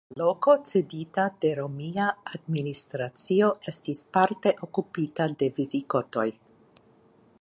La loko cedita de romia administracio estis parte okupita de Visigotoj.